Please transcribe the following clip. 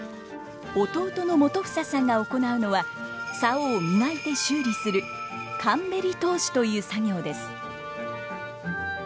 弟の元英さんが行うのは棹を磨いて修理する「かんべり通し」という作業です。